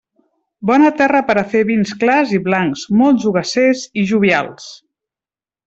Bona terra per a fer vins clars i blancs, molt jogassers i jovials.